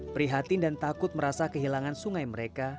prihatin dan takut merasa kehilangan sungai mereka